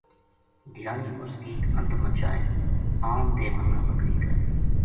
دھیانی اس کی انت مچائے آن دے منا بکر ی کائے